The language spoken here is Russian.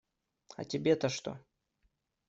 А тебе-то что?